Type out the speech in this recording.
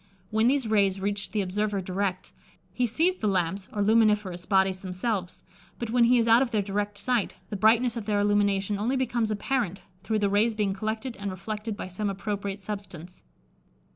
When these rays reach the observer direct, he sees the lamps or luminiferous bodies themselves, but when he is out of their direct sight, the brightness of their illumination only becomes apparent, through the rays being collected and reflected by some appropriate substance.